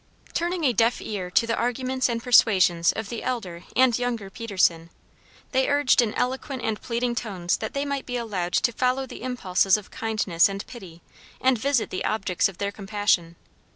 Turning a deaf ear to the arguments and persuasions of the elder and younger Peterson, they urged in eloquent and pleading tones that they might be allowed to follow the impulses of kindness and pity and visit the objects of their compassion.